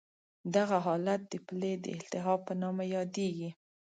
دغه حالت د پلې د التهاب په نامه یادېږي.